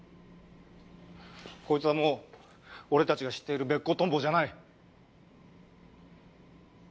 こいつはもう俺たちが知っているベッコウトンボじゃない。